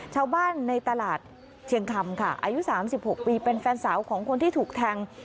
ชาวบ้านในตลาดเชียงคำค่ะอายุ๓๖ปีเป็นแฟนสาวของคนที่ถูกแทง